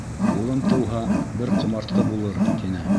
Улым тыуһа, бер ҡомартҡы булыр, тине.